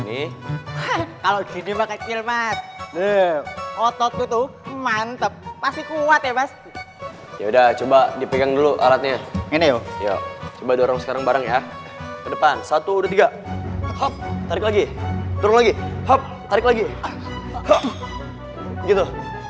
hai kalau gini maka kecil mas deh otot tutup mantep pasti kuat ya pasti ya udah coba dipegang dulu alatnya ini yuk coba dorong sekarang bareng ya ke depan satu ratus dua puluh tiga hop tarik lagi turun lagi hop tarik lagi gitu